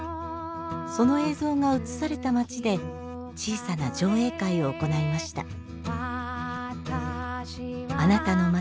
その映像がうつされた町で小さな上映会を行いました。